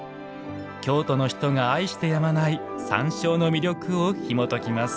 京都の人が愛してやまない山椒の魅力を、ひもときます。